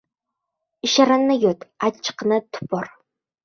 • Shirinni yut, achchiqni tupur.